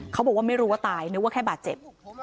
เขาบอกว่าไม่รู้ว่าตายนึกว่าแค่บาดเจ็บ